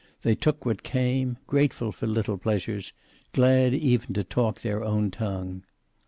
They took what came, grateful for little pleasures, glad even to talk their own tongue.